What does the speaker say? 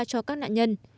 cho các nạn nhân